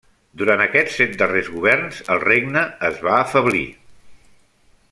Durant aquests set darrers governs el regne es va afeblir.